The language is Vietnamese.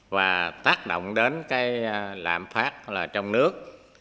và tác động đến cái lạm phát là trong nước